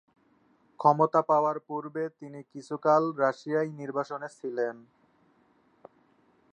ক্ষমতা পাওয়ার পূর্বে তিনি কিছুকাল রাশিয়ায় নির্বাসনে ছিলেন।